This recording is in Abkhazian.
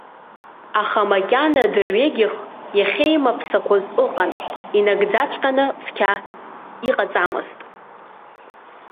Аха макьана, дырҩегьых иахьеимаԥсақәоз ыҟан, инагӡаҵәҟьаны цқьа иҟаҵамызт.